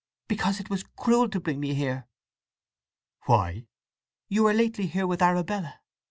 "Because it was cruel to bring me here!" "Why?" "You were lately here with Arabella.